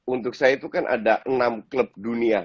untuk saya itu kan ada enam klub dunia